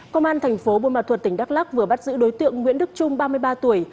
công an thành phố buôn ma thuật tỉnh đắk lắc vừa bắt giữ đối tượng nguyễn đức trung ba mươi ba tuổi